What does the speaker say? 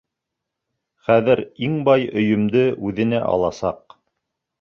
Хәҙер иң бай өйөмдө үҙенә аласаҡ!